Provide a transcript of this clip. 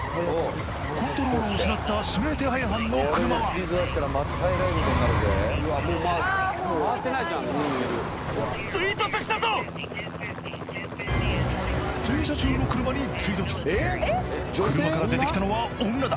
コントロールを失った指名手配犯の車は停車中の車に追突車から出てきたのは女だ！